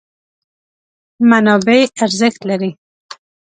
منابع ارزښت لري.